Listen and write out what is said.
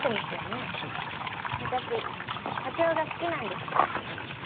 私課長が好きなんです。